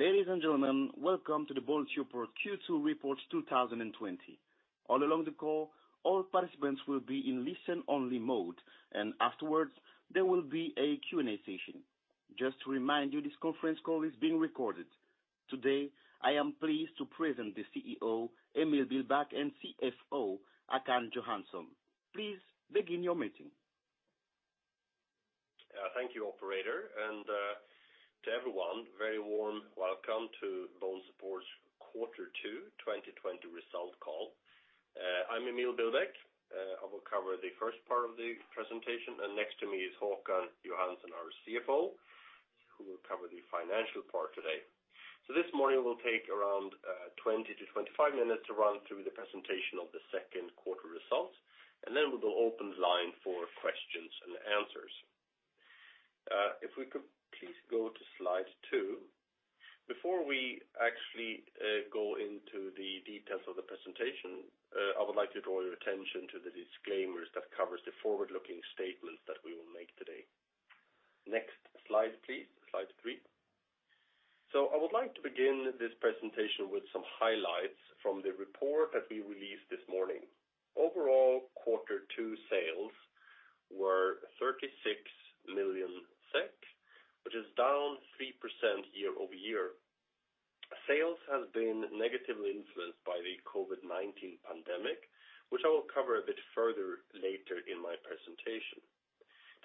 Ladies and gentlemen, welcome to the BONESUPPORT Q2 Report 2020. All along the call, all participants will be in listen-only mode, and afterwards, there will be a Q&A session. Just to remind you, this conference call is being recorded. Today, I am pleased to present the CEO, Emil Billbäck, and CFO, Håkan Johansson. Please begin your meeting. Thank you, operator. To everyone, very warm welcome to BONESUPPORT's Q2 2020 results call. I'm Emil Billbäck. I will cover the first part of the presentation. Next to me is Håkan Johansson, our CFO, who will cover the financial part today. This morning will take around 20 to 25 minutes to run through the presentation of the second quarter results. Then we will open the line for questions and answers. If we could please go to Slide two. Before we actually go into the details of the presentation, I would like to draw your attention to the disclaimers that covers the forward-looking statements that we will make today. Next slide, please. Slide three. I would like to begin this presentation with some highlights from the report that we released this morning. Overall, Quarter 2 sales were 36 million SEK, which is down 3% year-over-year. Sales has been negatively influenced by the COVID-19 pandemic, which I will cover a bit further later in my presentation.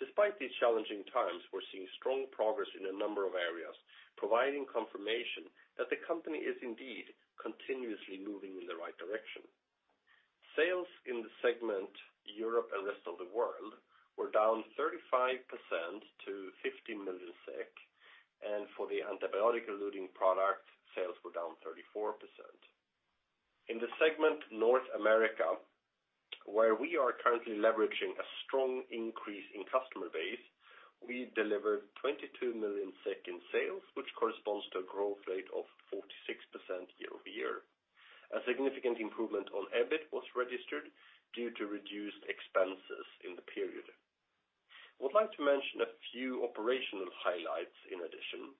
Despite these challenging times, we're seeing strong progress in a number of areas, providing confirmation that the company is indeed continuously moving in the right direction. Sales in the segment Europe and rest of the world were down 35% to 15 million, and for the antibiotic-eluting product, sales were down 34%. In the segment North America, where we are currently leveraging a strong increase in customer base, we delivered 22 million SEK in sales, which corresponds to a growth rate of 46% year-over-year. A significant improvement on EBIT was registered due to reduced expenses in the period. I would like to mention a few operational highlights in addition.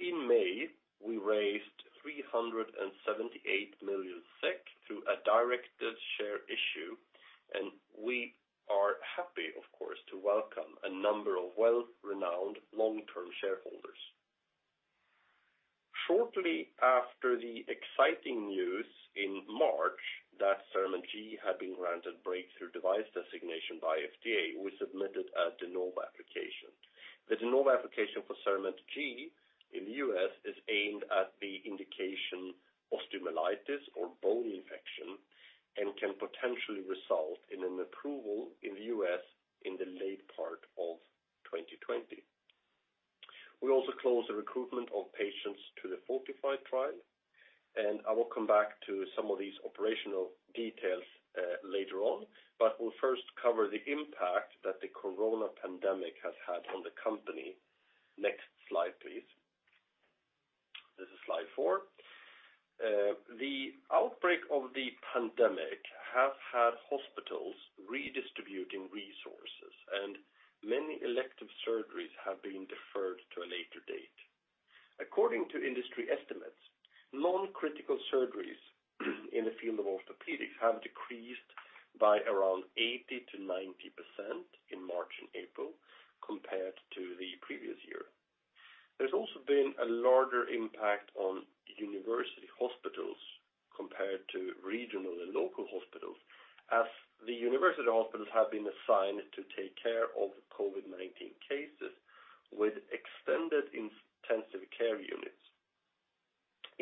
In May, we raised 378 million SEK through a directed share issue, and we are happy, of course, to welcome a number of well-renowned long-term shareholders. Shortly after the exciting news in March that CERAMENT G had been granted Breakthrough Device designation by FDA, we submitted a De Novo application. The De Novo application for CERAMENT G in the U.S. is aimed at the indication osteomyelitis or bone infection and can potentially result in an approval in the U.S. in the late part of 2020. We also closed the recruitment of patients to the FORTIFY trial, and I will come back to some of these operational details later on, but we'll first cover the impact that the coronavirus pandemic has had on the company. Next slide, please. This is Slide four. The outbreak of the pandemic has had hospitals redistributing resources, and many elective surgeries have been deferred to a later date. According to industry estimates, non-critical surgeries in the field of orthopedics have decreased by around 80%-90% in March and April compared to the previous year. There's also been a larger impact on university hospitals compared to regional and local hospitals, as the university hospitals have been assigned to take care of COVID-19 cases with extended intensive care units.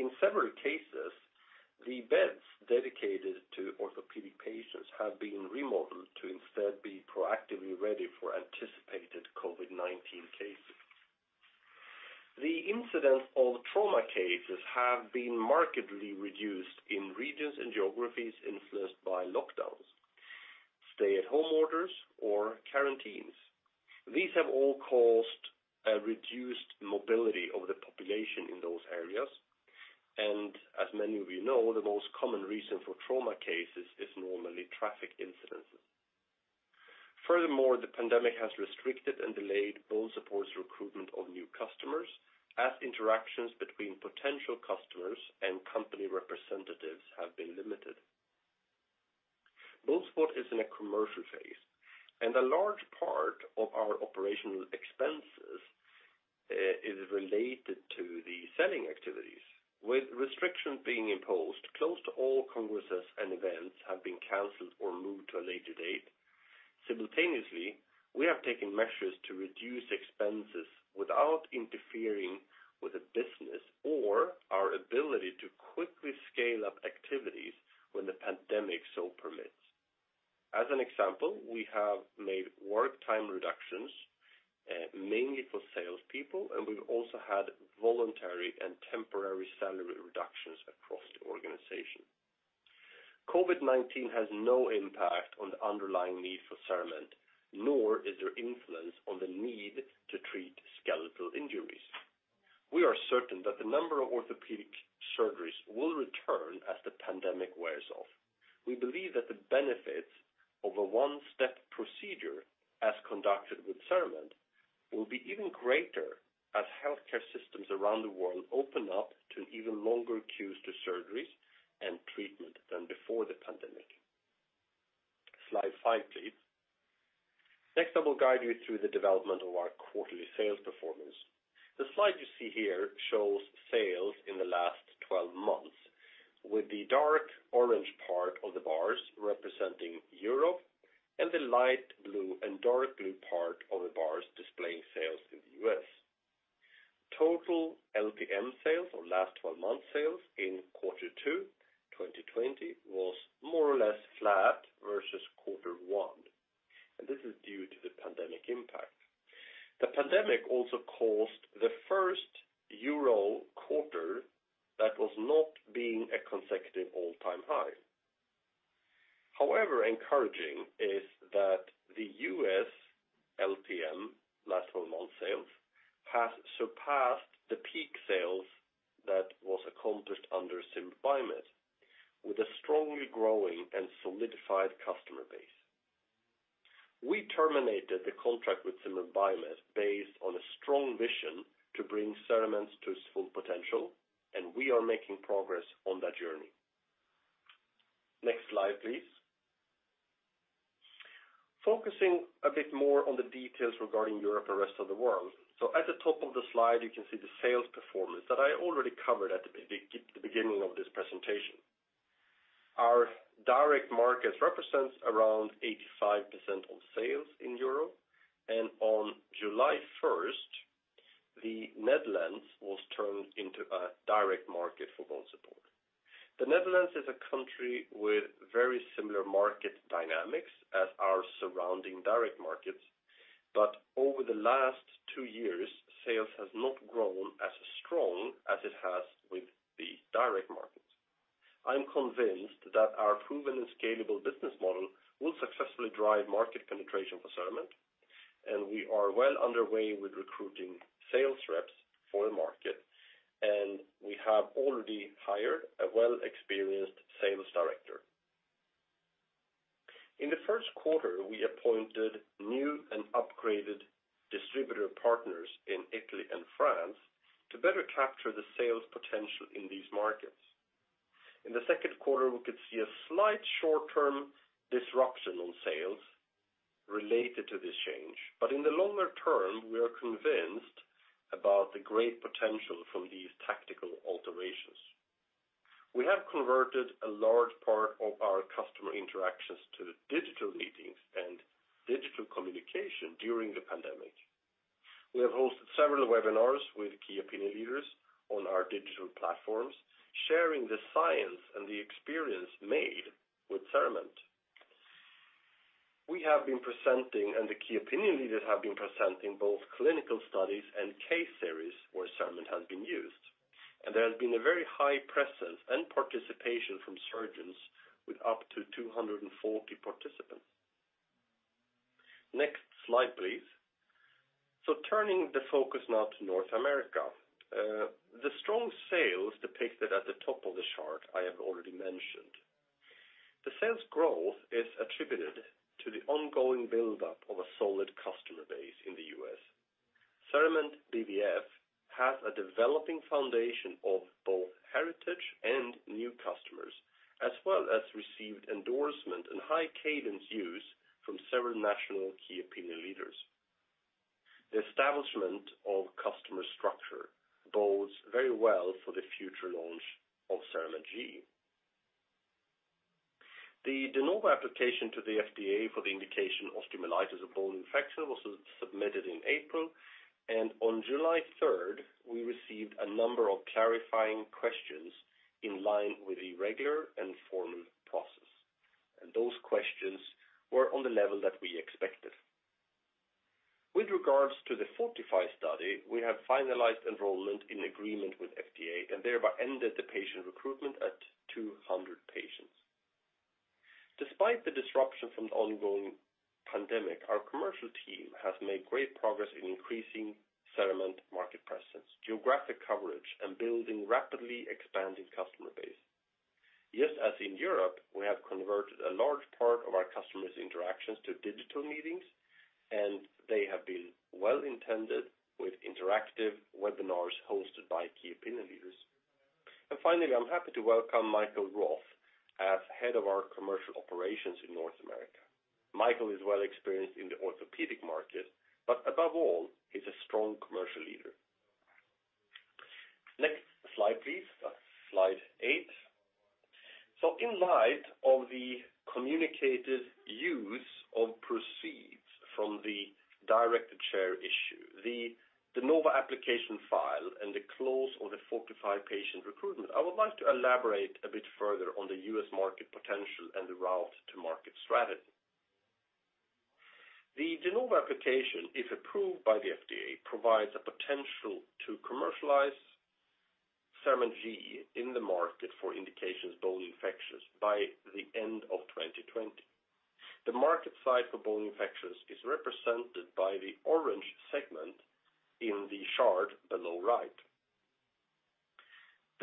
In several cases, the beds dedicated to orthopedic patients have been remodeled to instead be proactively ready for anticipated COVID-19 cases. The incidence of trauma cases have been markedly reduced in regions and geographies influenced by lockdowns, stay-at-home orders, or quarantines. These have all caused a reduced mobility of the population in those areas. As many of you know, the most common reason for trauma cases is normally traffic incidents. Furthermore, the pandemic has restricted and delayed BONESUPPORT's recruitment of new customers as interactions between potential customers and company representatives have been limited. BONESUPPORT is in a commercial phase, and a large part of our operational expenses is related to the selling activities. With restrictions being imposed, close to all congresses and events have been canceled or moved to a later date. Simultaneously, we have taken measures to reduce expenses without interfering with the business or our ability to quickly scale up activities when the pandemic so permits. As an example, we have made work time reductions, mainly for salespeople, and we've also had voluntary and temporary salary reductions across the organization. COVID-19 has no impact on the underlying need for CERAMENT, nor is there influence on the need to treat skeletal injuries. We are certain that the number of orthopedic surgeries will return as the pandemic wears off. We believe that the benefits of a one-step procedure, as conducted with CERAMENT, will be even greater as healthcare systems around the world open up to even longer queues to surgeries and treatment than before the pandemic. Slide five, please. Next, I will guide you through the development of our quarterly sales performance. The slide you see here shows sales in the last 12 months, with the dark orange part of the bars representing Europe and the light blue and dark blue part of the bars displaying sales in the U.S. Total LTM sales, or last 12-month sales, in Q2 2020 was more or less flat versus Q1, and this is due to the pandemic impact. The pandemic also caused the first Euro quarter that was not being a consecutive all-time high. Encouraging is that the U.S. LTM, last 12-month sales, has surpassed the peak sales that was accomplished under Zimmer Biomet with a strongly growing and solidified customer base. We terminated the contract with Zimmer Biomet based on a strong vision to bring CERAMENT to its full potential, and we are making progress on that journey. Next slide, please. Focusing a bit more on the details regarding Europe and rest of the world. At the top of the slide, you can see the sales performance that I already covered at the beginning of this presentation. Our direct markets represents around 85% of sales in Europe. On July 1st, the Netherlands was turned into a direct market for BONESUPPORT. The Netherlands is a country with very similar market dynamics as our surrounding direct markets. Over the last two years, sales has not grown as strong as it has with the direct markets. I'm convinced that our proven and scalable business model will successfully drive market penetration for CERAMENT, and we are well underway with recruiting sales reps for the market, and we have already hired a well-experienced sales director. In the first quarter, we appointed new and upgraded distributor partners in Italy and France to better capture the sales potential in these markets. In the second quarter, we could see a slight short-term disruption on sales related to this change. In the longer term, we are convinced about the great potential from these tactical alterations. We have converted a large part of our customer interactions to digital meetings and digital communication during the pandemic. We have hosted several webinars with key opinion leaders on our digital platforms, sharing the science and the experience made with CERAMENT. We have been presenting, the key opinion leaders have been presenting both clinical studies and case series where CERAMENT has been used. There has been a very high presence and participation from surgeons with up to 240 participants. Next slide, please. Turning the focus now to North America. The strong sales depicted at the top of the chart, I have already mentioned. The sales growth is attributed to the ongoing buildup of a solid customer base in the U.S. CERAMENT BVF has a developing foundation of both heritage and new customers, as well as received endorsement and high cadence use from several national key opinion leaders. The establishment of customer structure bodes very well for the future launch of CERAMENT G. The De Novo application to the FDA for the indication osteomyelitis of bone infection was submitted in April. On July 3rd, we received a number of clarifying questions in line with the regular and formal process. Those questions were on the level that we expected. With regards to the FORTIFY study, we have finalized enrollment in agreement with FDA and thereby ended the patient recruitment at 200 patients. Despite the disruption from the ongoing pandemic, our commercial team has made great progress in increasing CERAMENT market presence, geographic coverage, and building rapidly expanding customer base. Just as in Europe, we have converted a large part of our customers interactions to digital meetings, and they have been well-intended with interactive webinars hosted by key opinion leaders. Finally, I'm happy to welcome Michael Roth as head of our commercial operations in North America. Michael is well-experienced in the orthopedic market, but above all, he's a strong commercial leader. Next slide, please. Slide eight. In light of the communicated use of proceeds from the directed share issue, the De Novo application file, and the close of the FORTIFY patient recruitment, I would like to elaborate a bit further on the U.S. market potential and the route to market strategy. The De Novo application, if approved by the FDA, provides a potential to commercialize CERAMENT G in the market for indications bone infections by the end of 2020. The market side for bone infections is represented by the orange segment in the chart below right.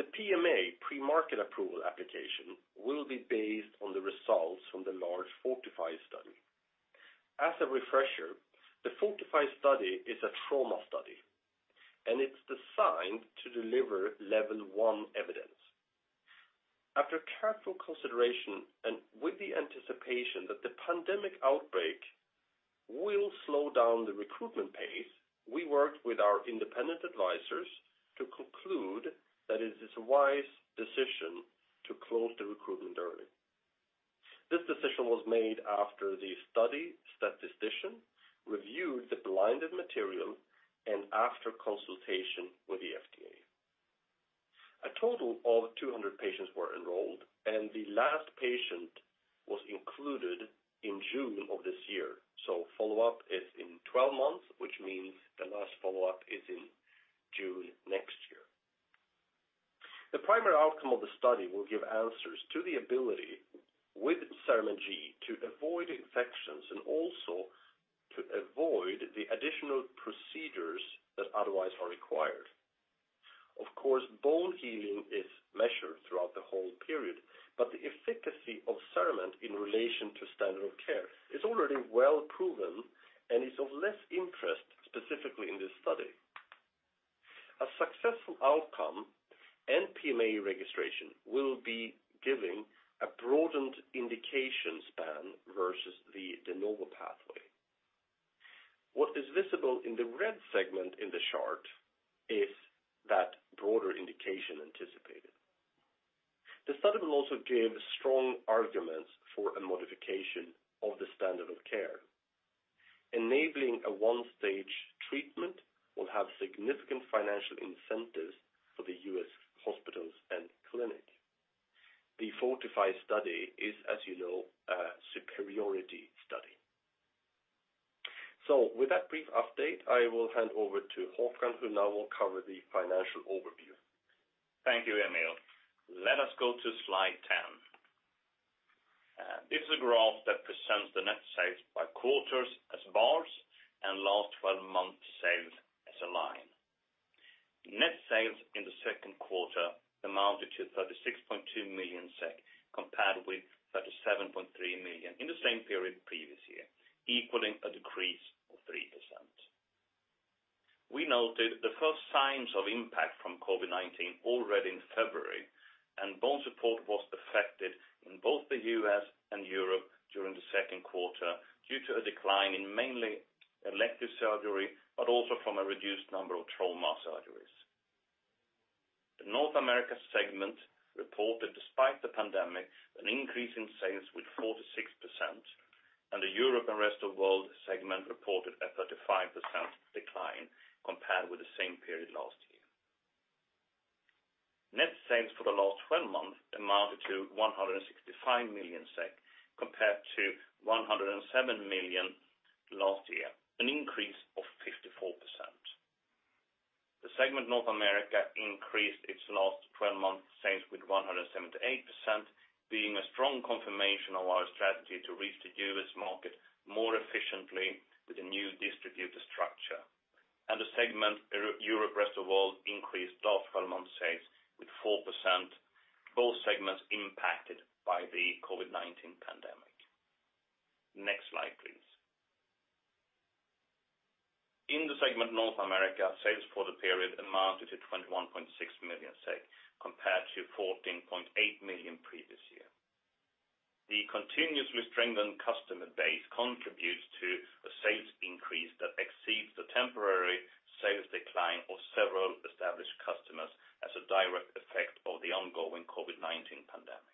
The PMA pre-market approval application will be based on the results from the large FORTIFY study. As a refresher, the FORTIFY study is a trauma study, and it's designed to deliver level 1 evidence. After careful consideration and with the anticipation that the pandemic outbreak will slow down the recruitment pace, we worked with our independent advisors to conclude that it is a wise decision to close the recruitment early. This decision was made after the study statistician reviewed the blinded material and after consultation with the FDA. A total of 200 patients were enrolled, and the last patient was included in June of this year. Follow-up is in 12 months, which means the last follow-up is in June next year. The primary outcome of the study will give answers to the ability with CERAMENT G to avoid infections and also to avoid the additional procedures that otherwise are required. Of course, bone healing is measured throughout the whole period, but the efficacy of CERAMENT in relation to standard care is already well proven and is of less interest specifically in this study. A successful outcome and PMA registration will be giving a broadened indication span versus the De Novo pathway. What is visible in the red segment in the chart is that broader indication anticipated. The study will also give strong arguments for a modification of the standard of care. Enabling a one-stage treatment will have significant financial incentives for the U.S. hospitals and clinics. The FORTIFY study is, as you know, a superiority study. With that brief update, I will hand over to Håkan, who now will cover the financial overview. Thank you, Emil. Let us go to slide 10. This is a graph that presents the net sales by quarters as bars and last 12 months sales as a line. Net sales in the second quarter amounted to 36.2 million SEK, compared with 37.3 million SEK in the same period previous year, equaling a decrease of 3%. We noted the first signs of impact from COVID-19 already in February, and BONESUPPORT was affected in both the U.S. and Europe during the second quarter due to a decline in mainly elective surgery, but also from a reduced number of trauma surgeries. The North America segment reported, despite the pandemic, an increase in sales with 46%, and the Europe and Rest of World segment reported a 35% decline compared with the same period last year. Net sales for the last 12 months amounted to 165 million SEK compared to 107 million SEK last year, an increase of 54%. The segment North America increased its last 12 months sales with 178%, being a strong confirmation of our strategy to reach the U.S. market more efficiently with a new distributor structure. The segment Europe, Rest of World increased last 12 months sales with 4%, both segments impacted by the COVID-19 pandemic. Next slide, please. In the segment North America, sales for the period amounted to 21.6 million SEK, compared to 14.8 million SEK previous year. The continuously strengthened customer base contributes to a sales increase that exceeds the temporary sales decline of several established customers as a direct effect of the ongoing COVID-19 pandemic.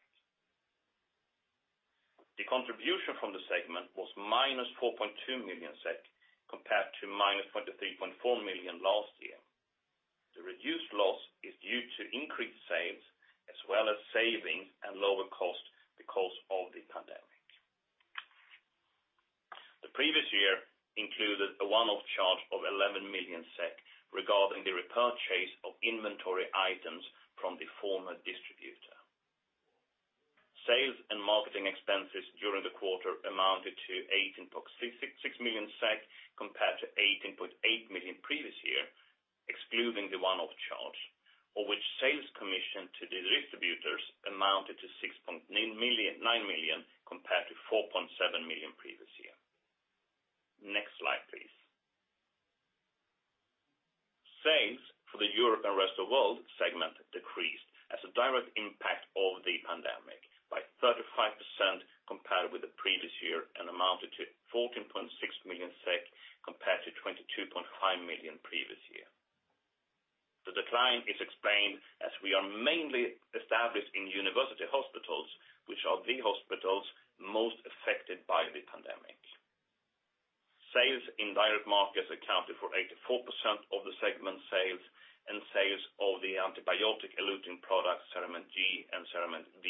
The contribution from the segment was -4.2 million SEK, compared to -3.4 million SEK last year. The reduced loss is due to increased sales as well as savings and lower cost because of the pandemic. The previous year included a one-off charge of 11 million SEK regarding the repurchase of inventory items from the former distributor. Sales and marketing expenses during the quarter amounted to 18.6 million SEK compared to 18.8 million previous year, excluding the one-off charge, of which sales commission to the distributors amounted to 6.9 million compared to 4.7 million previous year. Next slide, please. Sales for the Europe and Rest of World segment decreased as a direct impact of the pandemic by 35% compared with the previous year and amounted to 14.6 million SEK compared to 22.5 million previous year. The decline is explained as we are mainly established in university hospitals, which are the hospitals most affected by the pandemic. Sales in direct markets accounted for 84% of the segment sales, and sales of the antibiotic eluting products, CERAMENT G and CERAMENT V,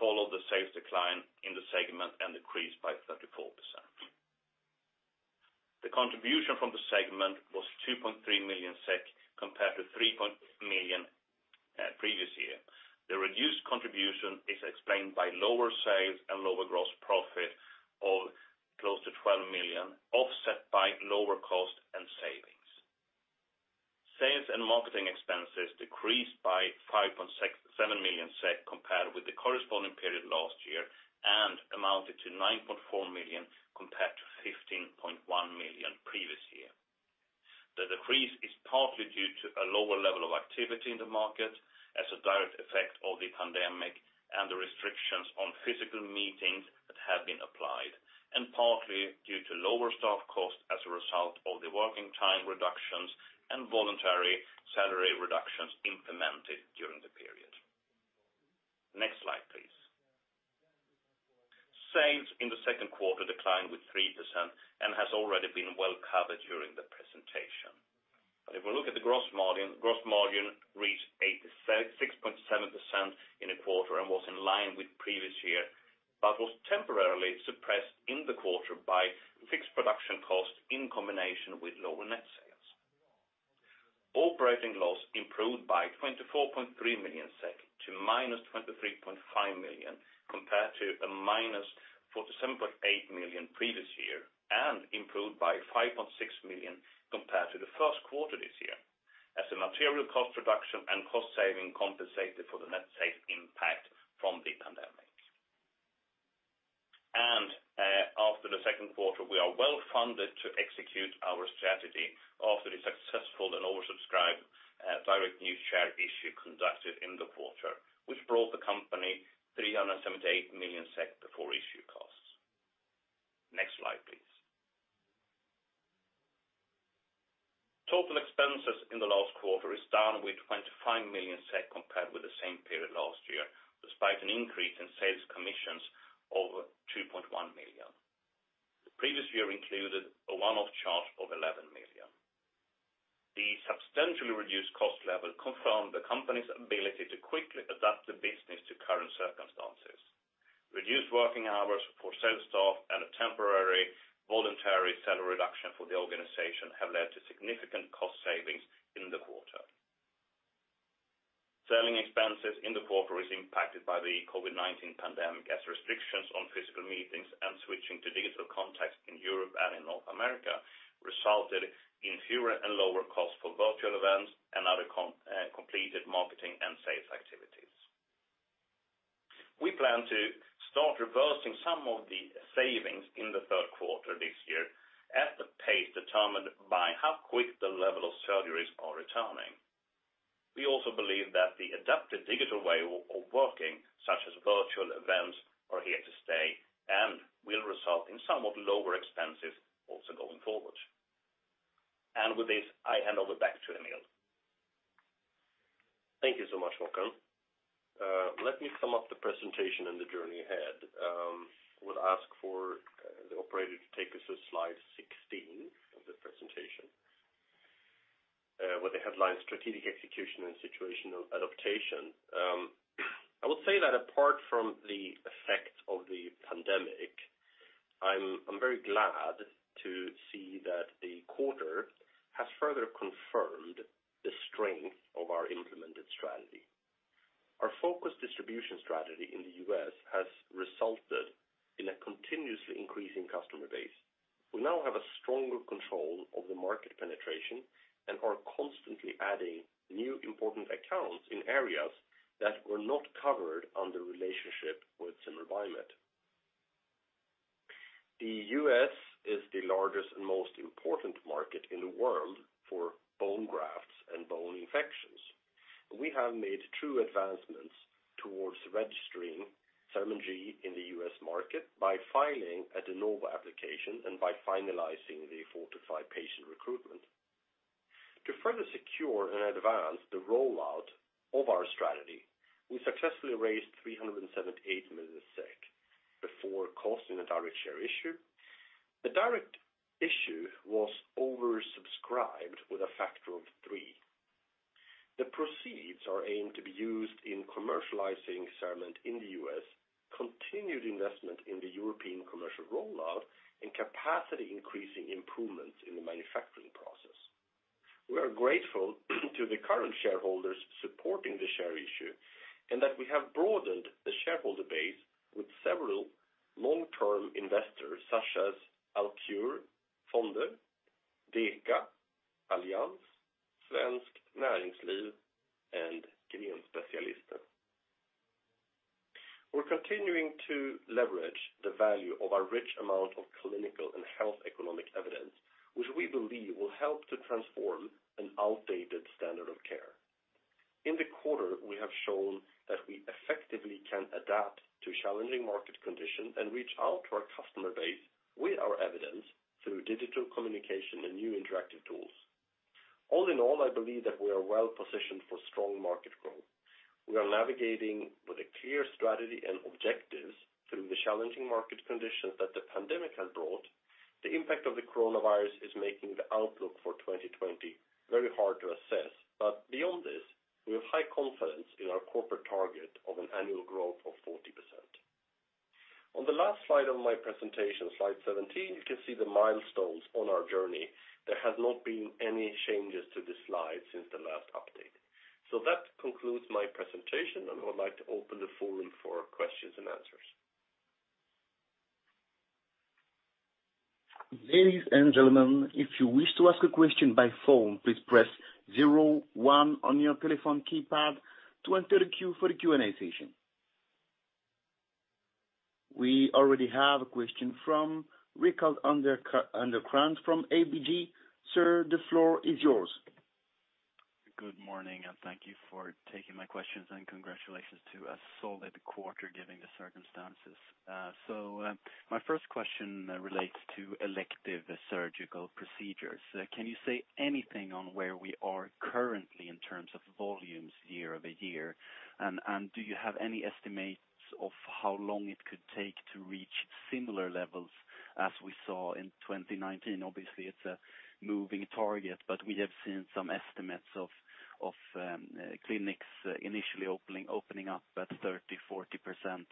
followed the sales decline in the segment and decreased by 34%. The contribution from the segment was 2.3 million SEK compared to 3 million previous year. The reduced contribution is explained by lower sales and lower gross profit of close to 12 million, offset by lower cost and savings. Sales and marketing expenses decreased by 5.7 million SEK, compared with the corresponding period last year, and amounted to 9.4 million, compared to 15.1 million previous year. The decrease is partly due to a lower level of activity in the market as a direct effect of the pandemic and the restrictions on physical meetings that have been applied, and partly due to lower staff costs as a result of the working time reductions and voluntary salary reductions implemented during the period. Next slide, please. Sales in the second quarter declined with 3% and has already been well covered during the presentation. If we look at the gross margin, gross margin reached 6.7% in a quarter and was in line with previous year, but was temporarily suppressed in the quarter by fixed production costs in combination with lower net sales. Operating loss improved by 24.3 million SEK to -23.5 million compared to -47.8 million previous year, and improved by 5.6 million compared to the first quarter this year, as the material cost reduction and cost saving compensated for the net sales impact from the pandemic. After the second quarter, we are well-funded to execute our strategy after the successful and oversubscribed direct new share issue conducted in the quarter, which brought the company 378 million SEK before issue costs. Next slide, please. Total expenses in the last quarter is down with 25 million SEK compared with the same period last year, despite an increase in sales commissions over 2.1 million. The previous year included a one-off charge of 11 million. The substantially reduced cost level confirmed the company's ability to quickly adapt the business to current circumstances. Reduced working hours for sales staff and a temporary voluntary salary reduction for the organization have led to significant cost savings in the quarter. Selling expenses in the quarter is impacted by the COVID-19 pandemic as restrictions on physical meetings and switching to digital contacts in Europe and in North America resulted in fewer and lower cost for virtual events and other completed marketing and sales activities. We plan to start reversing some of the savings in the third quarter this year at a pace determined by how quick the level of surgeries are returning. We also believe that the adaptive digital way of working, such as virtual events, are here to stay and will result in somewhat lower expenses also going forward. With this, I hand over back to Emil. Thank you so much, Håkan. Let me sum up the presentation and the journey ahead. Would ask for the operator to take us to slide 16 of the presentation, with the headline "Strategic Execution and Situational Adaptation." I would say that apart from the effect of the pandemic, I'm very glad to see that the quarter has further confirmed the strength of our implemented strategy. Our focused distribution strategy in the U.S. has resulted in a continuously increasing customer base. We now have a stronger control of the market penetration and are constantly adding new important accounts in areas that were not covered under relationship with Zimmer Biomet. The U.S. is the largest and most important market in the world for bone grafts and bone infections. We have made true advancements towards registering CERAMENT G in the U.S. market by filing a De Novo application and by finalizing the FORTIFY patient recruitment. To further secure and advance the rollout of our strategy, we successfully raised 378 million SEK before costing a direct share issue. The direct issue was oversubscribed with a factor of three. The proceeds are aimed to be used in commercializing CERAMENT in the U.S., continued investment in the European commercial rollout, and capacity increasing improvements in the manufacturing process. We are grateful to the current shareholders supporting the share issue, and that we have broadened the shareholder base with several long-term investors such as Alcur Fonder, Deka, Allianz, Svenskt Näringsliv, and Grenspecialisten. We're continuing to leverage the value of our rich amount of clinical and health economic evidence, which we believe will help to transform an outdated standard of care. In the quarter, we have shown that we effectively can adapt to challenging market conditions and reach out to our customer base with our evidence through digital communication and new interactive tools. I believe that we are well positioned for strong market growth. We are navigating with a clear strategy and objectives through the challenging market conditions that the pandemic has brought. The impact of the coronavirus is making the outlook for 2020 very hard to assess. Beyond this, we have high confidence in our corporate target of an annual growth of 40%. On the last slide of my presentation, slide 17, you can see the milestones on our journey. There has not been any changes to this slide since the last update. That concludes my presentation, and I would like to open the floor for questions and answers. Ladies and gentlemen, if you wish to ask a question by phone, please press 01 on your telephone keypad to enter the queue for the Q&A session. We already have a question from Rickard Anderkrantz from ABG. Sir, the floor is yours. Good morning, and thank you for taking my questions, and congratulations to a solid quarter given the circumstances. My first question relates to elective surgical procedures. Can you say anything on where we are currently in terms of volumes year-over-year? Do you have any estimates of how long it could take to reach similar levels as we saw in 2019? Obviously, it's a moving target, but we have seen some estimates of clinics initially opening up at 30%, 40%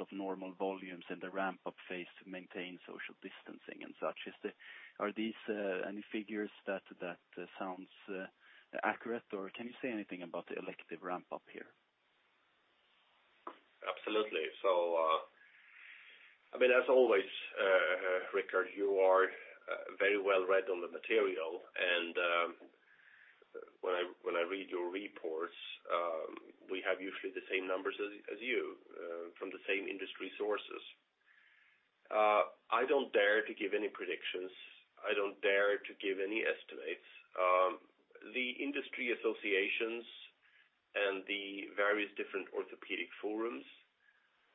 of normal volumes in the ramp-up phase to maintain social distancing and such. Are these any figures that sounds accurate, or can you say anything about the elective ramp-up here? Absolutely. As always, Rickard, you are very well read on the material, and when I read your reports, we have usually the same numbers as you from the same industry sources. I don't dare to give any predictions. I don't dare to give any estimates. The industry associations and the various different orthopedic forums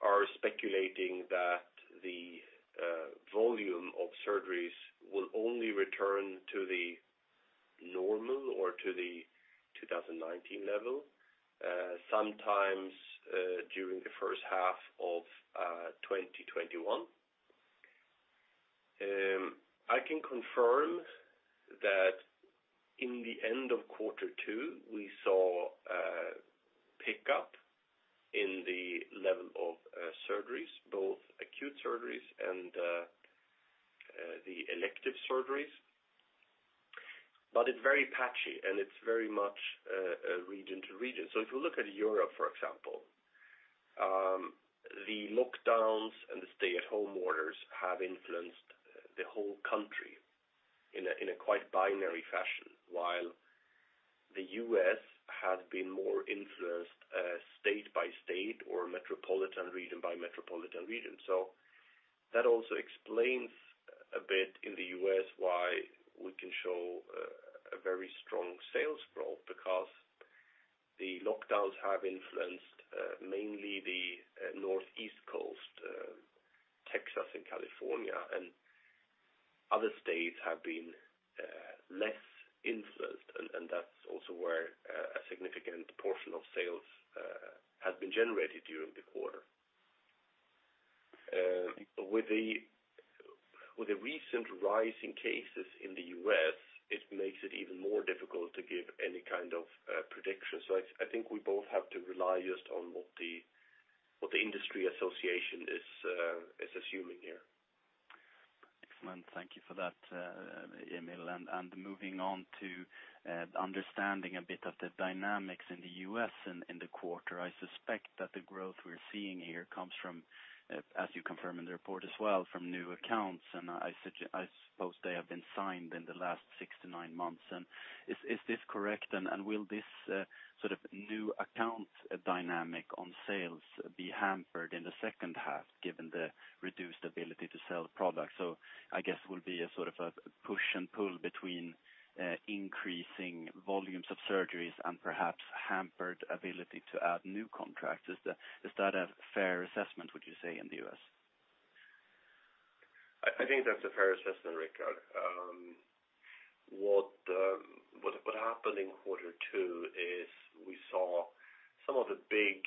are speculating that the volume of surgeries will only return to the normal or to the 2019 level, sometimes during the first half of 2021. I can confirm that in the end of quarter 2, we saw a pickup in the level of surgeries, both acute surgeries and the elective surgeries. It's very patchy, and it's very much region to region. If you look at Europe, for example the lockdowns and the stay-at-home orders have influenced the whole country in a quite binary fashion, while the U.S. has been more influenced state by state or metropolitan region by metropolitan region. That also explains a bit in the U.S. why we can show a very strong sales growth because the lockdowns have influenced mainly the Northeast Coast, Texas and California, and other states have been less influenced, and that's also where a significant portion of sales has been generated during the quarter. With the recent rise in cases in the U.S., it makes it even more difficult to give any kind of prediction. I think we both have to rely just on what the industry association is assuming here. Excellent. Thank you for that, Emil. Moving on to understanding a bit of the dynamics in the U.S. in the quarter. I suspect that the growth we're seeing here comes from, as you confirm in the report as well, from new accounts, and I suppose they have been signed in the last six to nine months. Is this correct, and will this sort of new account dynamic on sales be hampered in the second half given the reduced ability to sell product? I guess it will be a sort of a push and pull between increasing volumes of surgeries and perhaps hampered ability to add new contracts. Is that a fair assessment, would you say in the U.S.? I think that's a fair assessment, Rickard. What happened in quarter two is we saw some of the big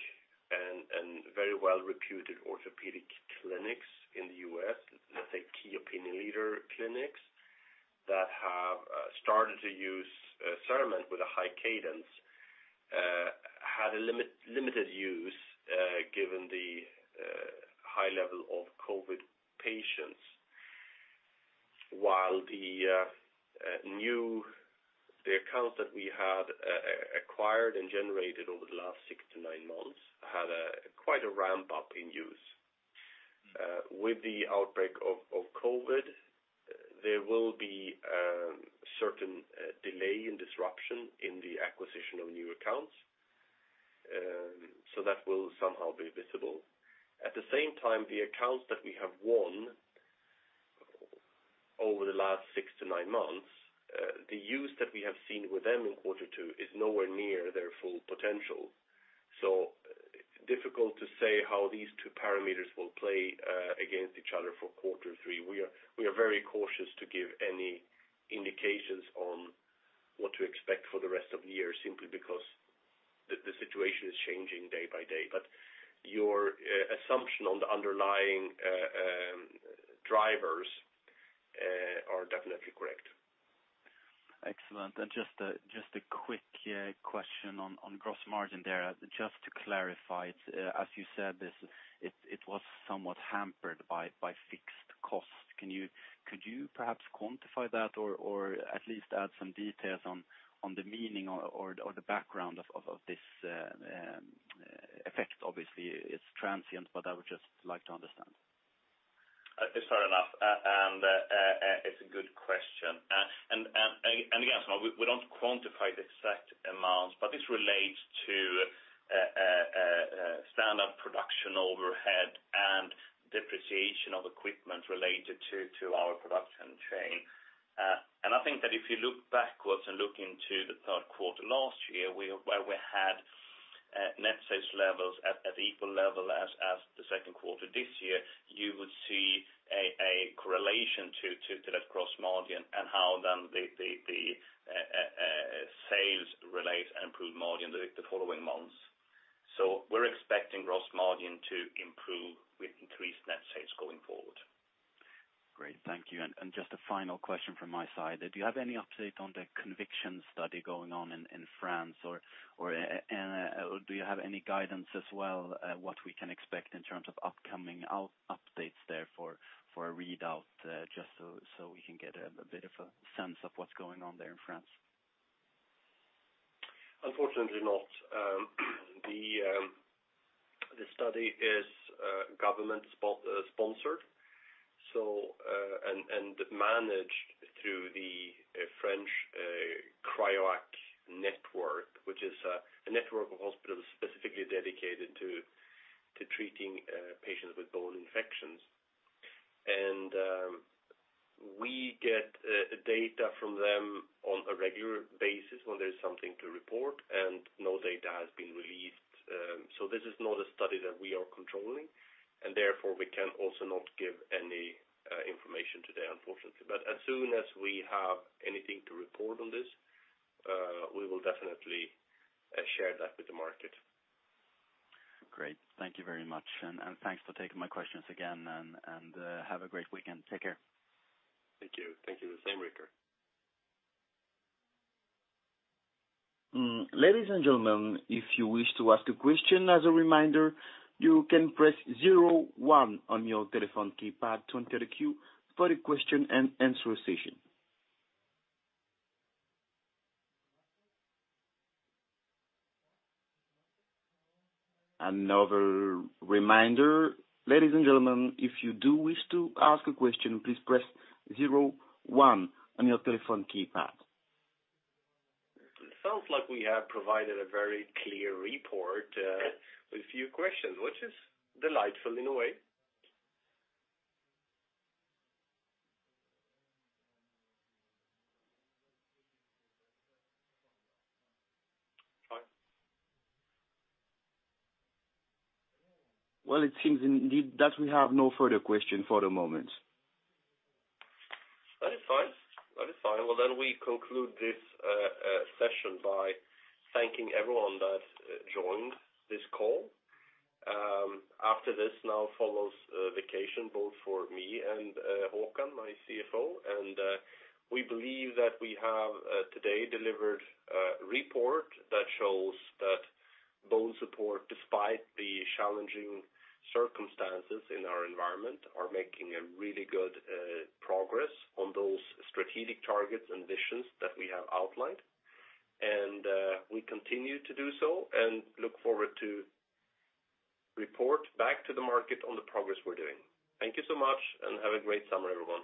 and very well-reputed orthopedic clinics in the U.S., let's say key opinion leader clinics that have started to use CERAMENT with a high cadence, had a limited use given the high level of COVID patients. While the new accounts that we had acquired and generated over the last six to nine months had quite a ramp-up in use. With the outbreak of COVID, there will be a certain delay and disruption in the acquisition of new accounts. That will somehow be visible. At the same time, the accounts that we have won over the last six to nine months the use that we have seen with them in quarter two is nowhere near their full potential. Difficult to say how these two parameters will play against each other for quarter three. We are very cautious to give any indications on what to expect for the rest of the year, simply because the situation is changing day by day. Your assumption on the underlying drivers Are definitely correct. Excellent. Just a quick question on gross margin there. Just to clarify, as you said this, it was somewhat hampered by fixed costs. Could you perhaps quantify that or at least add some details on the meaning or the background of this effect? Obviously, it's transient, but I would just like to understand. Fair enough. It's a good question. Again, we don't quantify the exact amounts, but this relates to standard production overhead and depreciation of equipment related to our production chain. I think that if you look backwards and look into the third quarter last year, where we had net sales levels at the equal level as the second quarter this year, you would see a correlation to that gross margin and how then the sales relates improved margin the following months. We're expecting gross margin to improve with increased net sales going forward. Great, thank you. Just a final question from my side. Do you have any update on the CONVICTION study going on in France or do you have any guidance as well, what we can expect in terms of upcoming updates there for a readout, just so we can get a bit of a sense of what's going on there in France? Unfortunately not. The study is government sponsored and managed through the French CRIOAc network, which is a network of hospitals specifically dedicated to treating patients with bone infections. We get data from them on a regular basis when there's something to report, and no data has been released. This is not a study that we are controlling, and therefore we can also not give any information today, unfortunately. As soon as we have anything to report on this, we will definitely share that with the market. Great. Thank you very much, and thanks for taking my questions again, and have a great weekend. Take care. Thank you. Thank you. Same, Rickard. Ladies and gentlemen, if you wish to ask a question as a reminder, you can press zero one on your telephone keypad to enter the queue for the question and answer session. Another reminder, ladies and gentlemen, if you do wish to ask a question, please press zero one on your telephone keypad. It sounds like we have provided a very clear report with few questions, which is delightful in a way. Well, it seems indeed that we have no further question for the moment. That is fine. We conclude this session by thanking everyone that joined this call. After this now follows a vacation both for me and Håkan, my CFO. We believe that we have today delivered a report that shows that BONESUPPORT, despite the challenging circumstances in our environment, are making a really good progress on those strategic targets and visions that we have outlined. We continue to do so and look forward to report back to the market on the progress we're doing. Thank you so much and have a great summer, everyone.